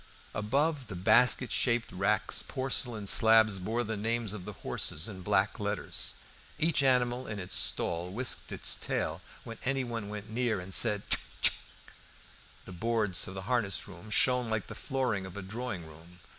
Above the basket shaped racks porcelain slabs bore the names of the horses in black letters. Each animal in its stall whisked its tail when anyone went near and said "Tchk! tchk!" The boards of the harness room shone like the flooring of a drawing room.